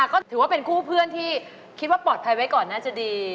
ก็ถือว่าเป็นคู่เพื่อนที่คิดว่าปลอดภัยไว้ก่อนน่าจะดี